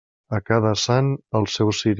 A cada sant, el seu ciri.